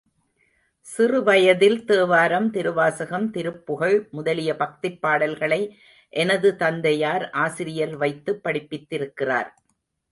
சிறு வயதில் தேவாரம், திருவாசகம், திருப்புகழ் முதலிய பக்திப் பாடல்களை எனது தந்தையார் ஆசிரியர் வைத்து படிப்பித்திருக்கிறார்.